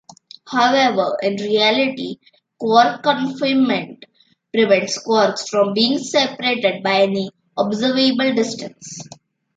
However, in reality, quark confinement prevents quarks from being separated by any observable distance.